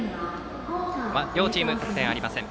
両チーム得点ありません。